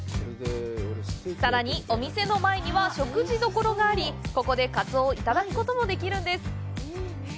さらに、お店の前には食事処がありここでカツオをいただくこともできるんです。